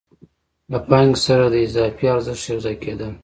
له پانګې سره د اضافي ارزښت یو ځای کېدل